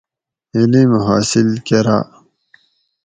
علم حاصل کراۤ